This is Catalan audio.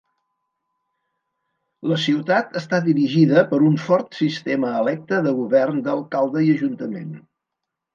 La ciutat està dirigida per un fort sistema electe de govern d'alcalde i ajuntament.